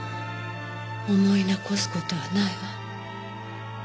思い残す事はないわ。